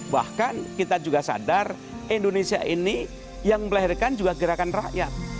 bahkan kita juga sadar indonesia ini yang melahirkan juga gerakan rakyat